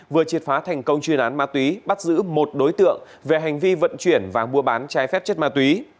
vừa triệt phá thành công chuyên án ma túy bắt giữ một đối tượng về hành vi vận chuyển và mua bán trái phép chất ma túy